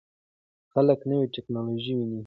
خلک نوې ټکنالوژي ویني.